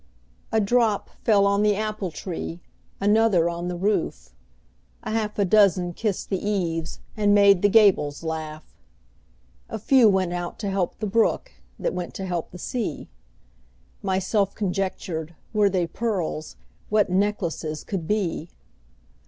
A drop fell on the apple tree, Another on the roof; A half a dozen kissed the eaves, And made the gables laugh. A few went out to help the brook, That went to help the sea. Myself conjectured, Were they pearls, What necklaces could be!